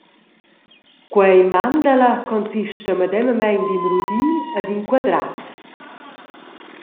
Quei mandala consista medemamein d’in rudi e d’in quadrat.